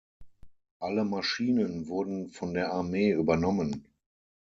Alle Maschinen wurden von der Armee übernommen.